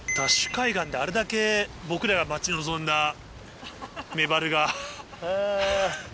海岸であれだけ僕らが待ち望んだメバルが。